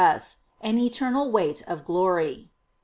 639 as ... an eternal weight of glory."